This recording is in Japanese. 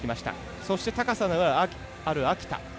そして高さのある秋田。